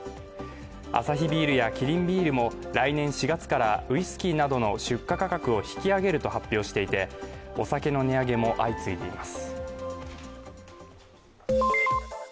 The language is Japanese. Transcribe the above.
アサヒビールやキリンビールも来年４月からウイスキーなどの出荷価格を引き上げると発表していてお酒の値上げも相次いでいます。